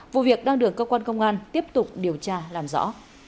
vụ việc đang được cơ quan công an tiếp tục điều tra làm rõ